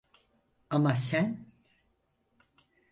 Ama sen...